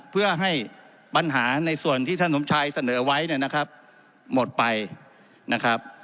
เพื่อให้ปัญหาในส่วนที่ท่านสมชัยเสนอไว้เนี่ยนะครับหมดไปนะครับ